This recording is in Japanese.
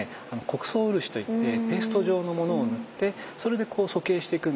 木屎漆といってペースト状のものを塗ってそれで祖型していくんですね。